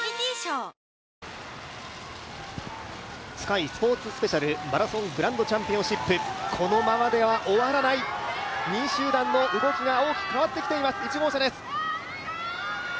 Ｓｋｙスポーツスペシャルマラソングランドチャンピオンシップこのままでは終わらない、２位集団の動きが大きく変わってきています、１号車です。